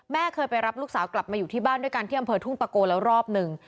เคยไปรับลูกสาวกลับมาอยู่ที่บ้านด้วยกันที่อำเภอทุ่งตะโกแล้วรอบหนึ่ง